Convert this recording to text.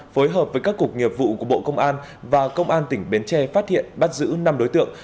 phối hợp với các cục nghiệp vụ của bộ công an và công an tỉnh bến tre phát hiện bắt giữ năm đối tượng